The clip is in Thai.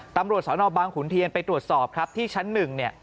ตำรวจสนบางขุนเทียนไปตรวจสอบครับที่ชั้นหนึ่งเนี่ย